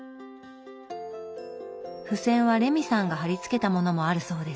付箋はレミさんが貼り付けたものもあるそうです。